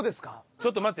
ちょっと待って。